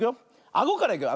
あごからいくよ。